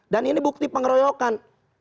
dan ini bukti pengeroyokan